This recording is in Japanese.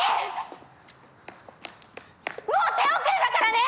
もう手遅れだからね！